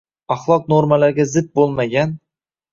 axloq normalariga zid bo‘lmagan